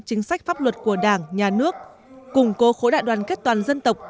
chính sách pháp luật của đảng nhà nước củng cố khối đại đoàn kết toàn dân tộc